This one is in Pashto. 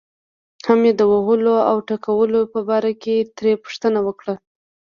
هم یې د وهلو او ټکولو په باره کې ترې پوښتنه وکړه.